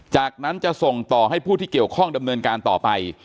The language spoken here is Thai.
จากนั้นจะส่งต่อให้ผู้ที่เกี่ยวข้องดำเนินการต่อไป